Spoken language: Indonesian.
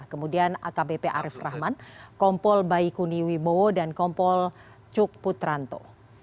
kemudian akbp arief rahman kompol baikuni wibowo dan kompol cuk putranto